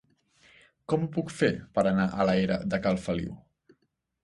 Com ho puc fer per anar a la era de Cal Feliu?